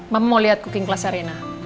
mama mau liat cooking classnya rena